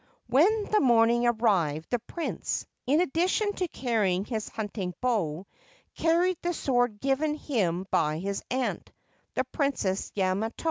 When the morning arrived the Prince, in addition to carrying his hunting bow, carried the sword given him by his aunt, the Princess Yamato.